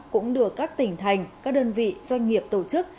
cũng được các tỉnh thành các đơn vị doanh nghiệp tổ chức